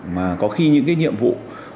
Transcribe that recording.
mà có khi những cái nhiệm vụ